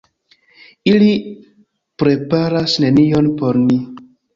Ili preparas nenion por ni!